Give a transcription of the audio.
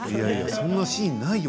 そんなシーンないよ